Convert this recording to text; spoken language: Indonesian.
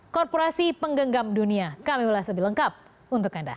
korporasi penggenggam dunia kami ulas lebih lengkap untuk anda